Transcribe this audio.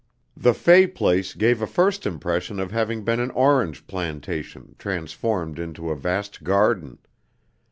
The "Fay place" gave a first impression of having been an orange plantation transformed into a vast garden.